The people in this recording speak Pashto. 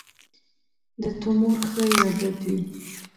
د تومور ښه یا بد وي.